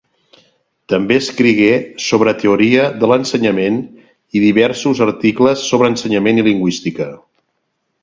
També escrigué sobre teoria de l'ensenyament i diversos articles sobre ensenyament i lingüística.